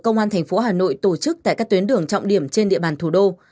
công an tp hà nội tổ chức tại các tuyến đường trọng điểm trên địa bàn thủ đô